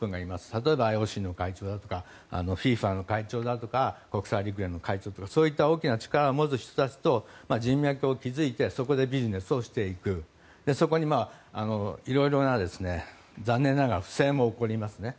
例えばＩＯＣの会長だとかＦＩＦＡの会長だとか国際陸連の会長だとかそういった大きな力を持つ人たちと人脈を築いてそこでビジネスをしていくそこに残念ながらいろいろな不正も起こりますね。